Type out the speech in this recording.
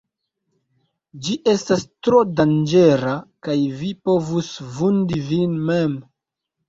Ĝi estas tro danĝera, kaj vi povus vundi vin mem.